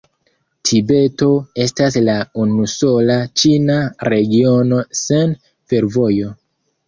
Tibeto estas la unusola ĉina regiono sen fervojo.